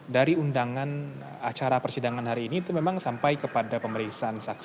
dari undangan acara persidangan hari ini itu memang sampai kepada pemeriksaan saksi